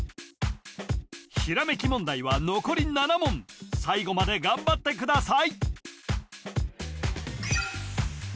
ひらめき問題は残り７問最後まで頑張ってください